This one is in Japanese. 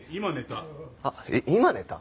今寝た。